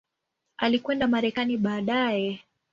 Alikwenda Marekani baadaye.